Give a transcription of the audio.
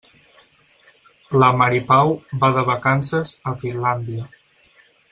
La Mari Pau va de vacances a Finlàndia.